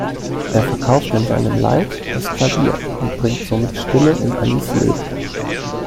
Er verkauft in seinem Leid das Klavier und bringt somit Stille in Annies Leben.